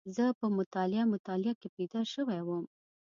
زه په مطالعه مطالعه کې بيده شوی وم.